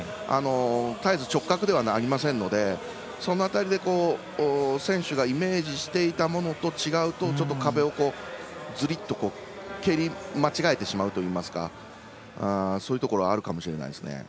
絶えず直角ではありませんのでその辺りで選手がイメージしていたものと違うと壁を、ずりっと蹴り間違えてしまうといいますかそういうところがあるかもしれないですね。